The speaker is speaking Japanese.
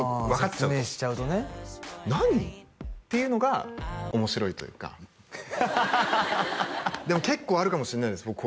ああ説明しちゃうとね何！？っていうのが面白いというかフッハハハハでも結構あるかもしれないです